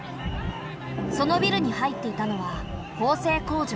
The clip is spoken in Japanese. そのビルに入っていたのは縫製工場。